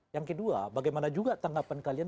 yang kedua bagaimana juga tanggapan kalian